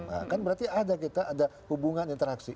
nah kan berarti ada kita ada hubungan interaksi